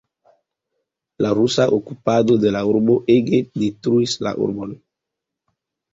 La rusa okupado de la urbo ege detruis la urbon.